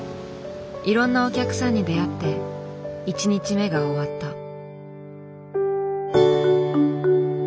いろんなお客さんに出会って１日目が終わった。